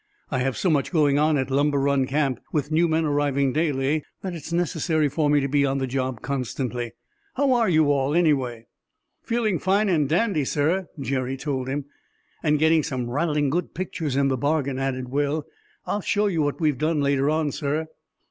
"I have so much going on at Lumber Run Camp, with new men arriving daily, that it's necessary for me to be on the job constantly. How are you all, anyway?" "Feeling fine and dandy, sir," Jerry told him. "And getting some rattling good pictures in the bargain," added Will. "I'll show you what we've done, later on, sir."